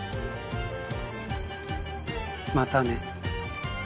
またね。